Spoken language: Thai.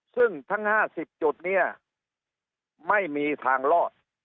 ซึ่งทั้ง๕๐จุดเนี่ยไม่มีทางรอด